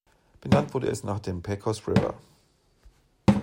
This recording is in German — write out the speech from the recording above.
Benannt wurde es nach dem Pecos River.